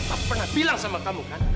aku pernah bilang sama kamu kan